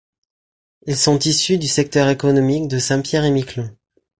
Ils sont issus du secteur économique de Saint-Pierre et Miquelon.